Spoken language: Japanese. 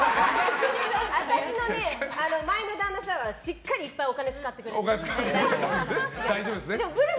私の前の旦那さんはしっかりいっぱいお金使ってくれた。